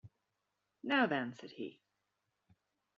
“Now then!” said he.